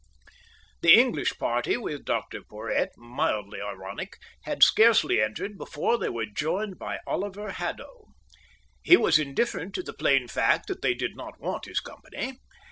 The English party with Dr Porhoët, mildly ironic, had scarcely entered before they were joined by Oliver Haddo. He was indifferent to the plain fact that they did not want his company.